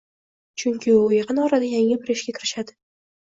Chunki u yaqin orada yangi bir ishga kirishadi